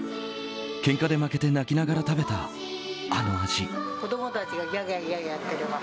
けんかで負けて泣きながら食べた、あの味。